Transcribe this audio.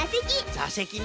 ざせきな。